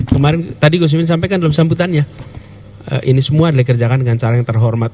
kemarin tadi gus imin sampaikan dalam sambutannya ini semua adalah dikerjakan dengan cara yang terhormat